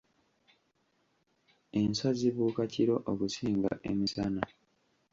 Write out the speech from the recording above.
Enswa zibuuka kiro okusinga emisana.